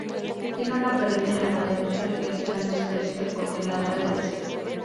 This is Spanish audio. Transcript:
Tiene una perrita llamada Evita, que Stan desprecia, porque ladra demasiado.